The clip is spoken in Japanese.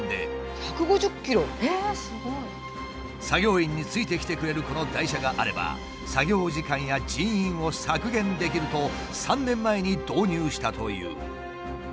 作業員についてきてくれるこの台車があれば作業時間や人員を削減できると３年前に導入したという。